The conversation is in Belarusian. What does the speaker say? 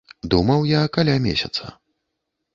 Думаў я каля месяца.